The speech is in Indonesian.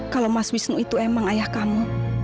kalau mas wisnu itu emang ayah kamu